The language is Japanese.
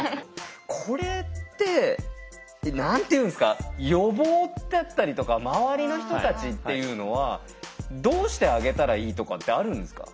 これって何て言うんですか予防ってあったりとか周りの人たちっていうのはどうしてあげたらいいとかってあるんですか？